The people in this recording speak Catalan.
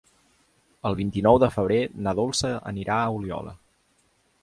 El vint-i-nou de febrer na Dolça anirà a Oliola.